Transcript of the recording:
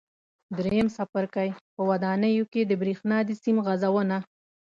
درېیم څپرکی: په ودانیو کې د برېښنا د سیم غځونه